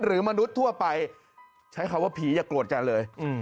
หรือมนุษย์ทั่วไปใช้คำว่าผีอย่ากรวดกันเลย